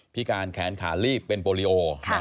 การแขนขาลีบเป็นโปรลิโอ